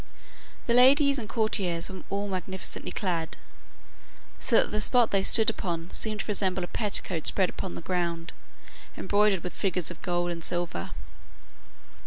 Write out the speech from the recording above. The ladies and courtiers were all most magnificently clad; so that the spot they stood upon seemed to resemble a petticoat spread upon the ground, embroidered with figures of gold and silver.